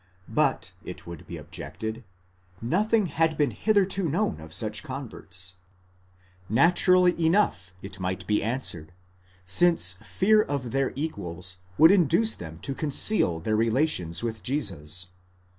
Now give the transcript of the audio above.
But, it would be objected, nothing had been hitherto known of such converts. Naturally enough, it might be answered ; since fear of their equals would induce them to conceal their relations with Jesus.